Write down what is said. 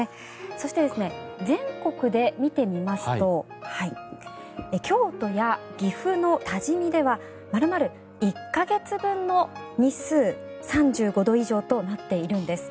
そして、全国で見てみますと京都や岐阜の多治見では丸々１か月分の日数３５度以上となっているんです。